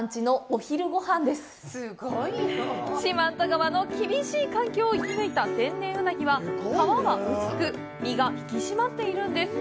四万十川の厳しい環境を生き抜いた天然うなぎは皮は薄く、身が引き締まっているんです。